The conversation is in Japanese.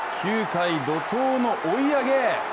９回、怒濤の追い上げ！